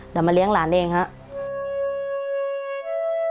เดี๋ยวมาเลี้ยงหลานเองครับ